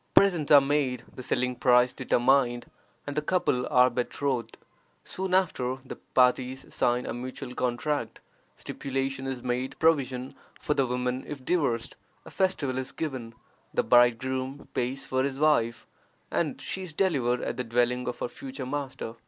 Presents are made, the selling price determined, and the couple are betrothed. Soon after, the parties sign a mutual contract; stipulation is made for provision for the woman if divorced; a festival is given; the bridegroom pays for his wife, and she is delivered at the dwelling of her future master.